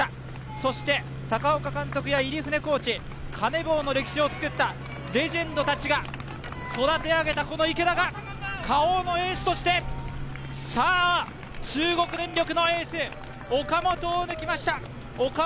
そして高岡監督や入船コーチカネボウの歴史を作ったレジェンドたちが育て上げたこの池田がＫａｏのエースとして中国電力のエース・岡本を抜きました。